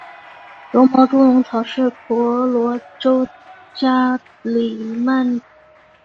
柔毛猪笼草是婆罗洲加里曼丹特有的热带食虫植物。